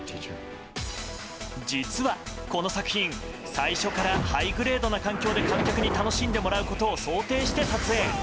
実はこの作品、最初からハイグレードな環境で観客に楽しんでもらうことを想定して撮影。